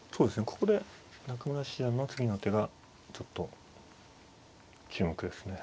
ここで中村七段の次の手がちょっと注目ですね。